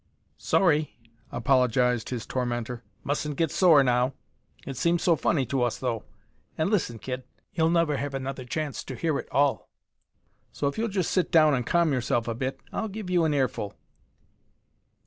"Sorry," apologized his tormentor. "Mustn't get sore now. It seems so funny to us though. And listen, kid, you'll never have another chance to hear it all. So, if you'll sit down and calm yourself a bit I'll give you an earful."